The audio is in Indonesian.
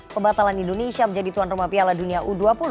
pembatalan indonesia menjadi tuan rumah piala dunia u dua puluh